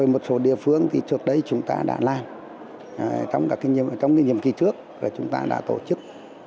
một số địa phương thì trước đây chúng ta đã làm trong nhiệm kỳ trước chúng ta đã tổ chức